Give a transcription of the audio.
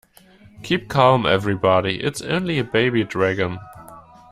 Keep calm everybody, it's only a baby dragon.